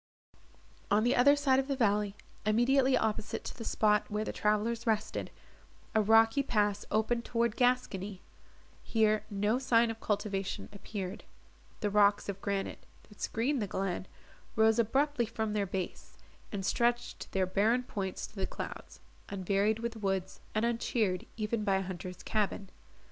On the other side of the valley, immediately opposite to the spot where the travellers rested, a rocky pass opened toward Gascony. Here no sign of cultivation appeared. The rocks of granite, that screened the glen, rose abruptly from their base, and stretched their barren points to the clouds, unvaried with woods, and uncheered even by a hunter's cabin.